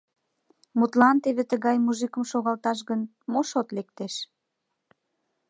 Мутлан, теве тыгай мужикым шогалташ гын, мо шот лектеш?